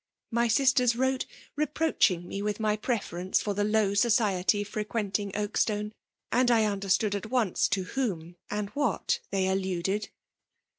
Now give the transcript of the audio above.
My sisters wrote, reproaching me with my preference for the low society frequenting Oakstone; and I understood at once to whom and what they alluded.